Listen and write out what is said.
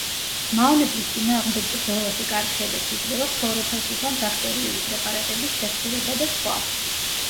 მავნებლის წინააღმდეგ ბრძოლაში კარგ შედეგს იძლევა ქლოროფოსის ან ბაქტერიული პრეპარატების შესხურება და სხვა.